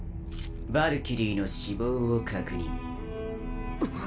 ヴァルキリーの死亡を確認。